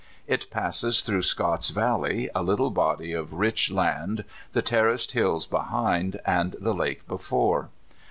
It passes through Scott's Valley, a little body of rich laud, the terraced hills behind, and the lake before.